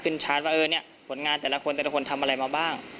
ชาร์จว่าเออเนี่ยผลงานแต่ละคนแต่ละคนทำอะไรมาบ้าง